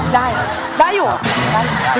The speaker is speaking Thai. ได้ได้อยู่